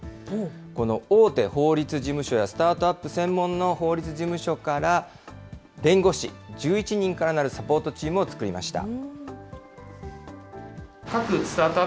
この大手法律事務所やスタートアップ専門の法律事務所から、弁護士１１人からなるサポートチームを作りました。